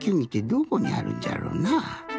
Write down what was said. どこにあるんじゃろうなあ。